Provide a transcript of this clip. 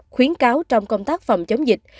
khuyến cáo trong công tác phòng chống dịch